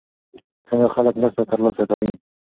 څنګه خلک مرسته ترلاسه کوي؟